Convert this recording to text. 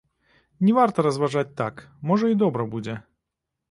Не варта разважаць так, можа, і добра будзе.